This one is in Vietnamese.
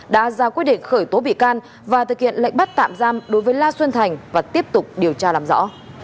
đã ra quyết định khởi tố bị can và thực hiện lệnh bắt tạm giam đối với la xuân thành và tiếp tục điều tra làm rõ